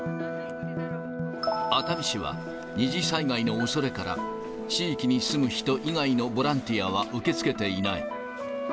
熱海市は二次災害のおそれから地域に住む人以外のボランティアは受け付けていない。